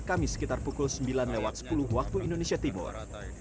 kamis sekitar pukul sembilan sepuluh waktu indonesia timur